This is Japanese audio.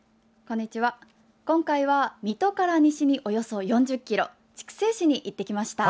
今回は水戸から西におよそ４０ｋｍ筑西市に行ってきました。